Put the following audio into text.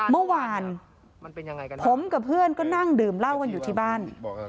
เมื่อวานผมกับเพื่อนก็นั่งดื่มเหล้ากันอยู่ที่บ้าน